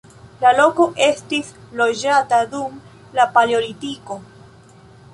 La loko estis loĝata dum la paleolitiko.